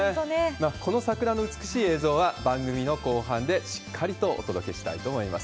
この桜の美しい映像は、番組の後半でしっかりとお届けしたいと思います。